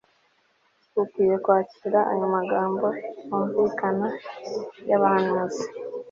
ukwiye kwakira ayo magambo yumvikana y'abahanuzi